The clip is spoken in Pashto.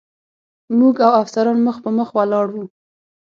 موږ او افسران مخ په مخ ولاړ و.